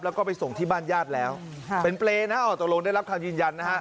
แล้วก็ไปส่งที่บ้านญาติแล้วเป็นเปรย์นะตกลงได้รับคำยืนยันนะฮะ